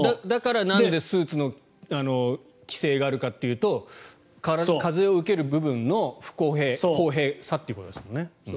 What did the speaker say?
だから、なんでスーツの規制があるかというと風を受ける部分の公平さということですよね。